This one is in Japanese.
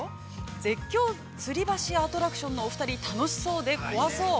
絶叫つり橋アトラクションのお二人、楽しそうで怖そう。